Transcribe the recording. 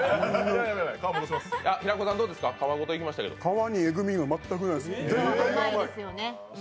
皮にえぐみが全くないです。